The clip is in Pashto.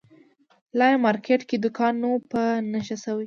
لا یې مارکېټ کې دوکان نه وو په نښه شوی.